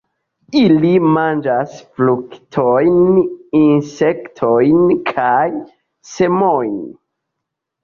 Ili manĝas fruktojn, insektojn kaj semojn.